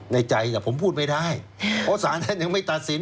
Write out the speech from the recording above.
ในใจผมพูดไม่ได้เพราะสารท่านยังไม่ตัดสิน